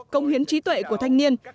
công hiến trí tuệ của thanh niên